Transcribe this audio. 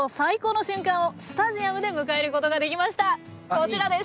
こちらです。